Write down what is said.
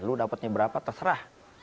lu dapatnya berapa terserah